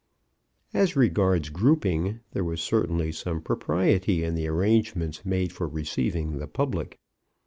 As regards grouping, there was certainly some propriety in the arrangements made for receiving the public.